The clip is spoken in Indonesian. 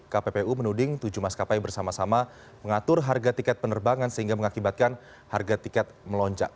kppu menuding tujuh maskapai bersama sama mengatur harga tiket penerbangan sehingga mengakibatkan harga tiket melonjak